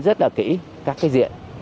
rất là kỹ các cái diện